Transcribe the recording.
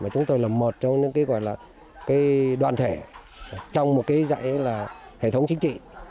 chúng tôi là một trong những đoàn thể trong một dạy hệ thống chính trị